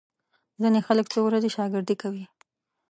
ځینې خلک څو ورځې شاګردي کوي.